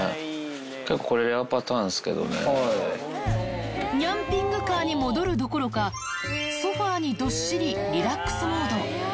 結構これ、ニャンピングカーに戻るどころか、ソファにどっしりリラックスムード。